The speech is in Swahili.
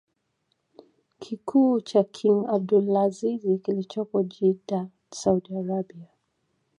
kikuu cha king Abdulazizi kilichopo Jidda Saudi Arabia